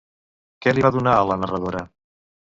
Què li va donar a la narradora?